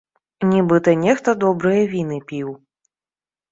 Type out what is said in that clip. Нібыта нехта добрыя віны піў.